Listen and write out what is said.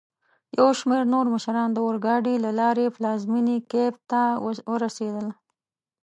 یوشمیرنورمشران داورګاډي له لاري پلازمېني کېف ته ورسېدل.